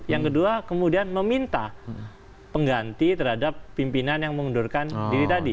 yang kedua kemudian meminta pengganti terhadap pimpinan yang mengundurkan diri tadi